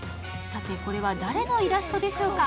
これは誰のイラストでしょうか。